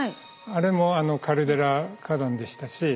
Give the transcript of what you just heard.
あれもカルデラ火山でしたし